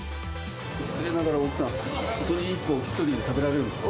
失礼ながら奥さん、それ１個、１人で食べられるんですか？